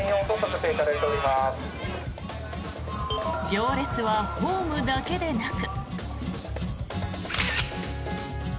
行列はホームだけでなく。